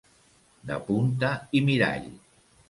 De punta i mirall.